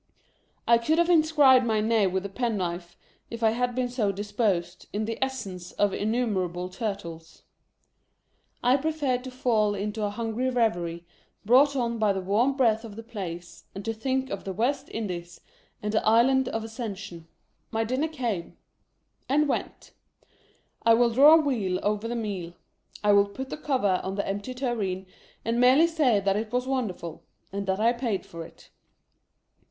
I could have inscribed my name with a pen knife, if I had been so dis posed, in the essence of innumerable Turtles. I preferred to fall into a hungry reverie, brought on by the warm breath of the place, and to think of the West Indies and the Island of Ascension. My dinner came — and went. I will draw a veil over the meal, I will put the cover on the empty tureen, and merely say that it was wonderful — and that I paid for it.